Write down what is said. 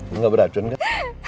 gua gak beracun kan